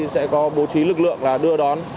sẽ có bố trí lực lượng là đưa đón